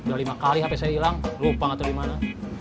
udah lima kali hp saya hilang lupa gak tau di mana